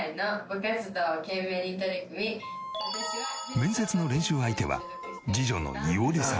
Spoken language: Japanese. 面接の練習相手は次女のいおりさん。